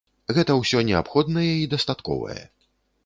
Гэта ўсё неабходнае і дастатковае.